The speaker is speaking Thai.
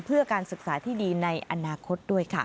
เพื่อการศึกษาที่ดีในอนาคตด้วยค่ะ